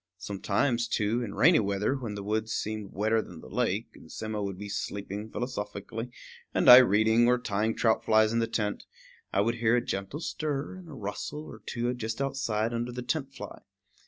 Sometimes, too, in rainy weather, when the woods seemed wetter than the lake, and Simmo would be sleeping philosophically, and I reading, or tying trout flies in the tent, I would hear a gentle stir and a rustle or two just outside, under the tent fly.